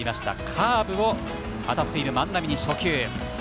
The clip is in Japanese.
カーブを当たっている万波に初球。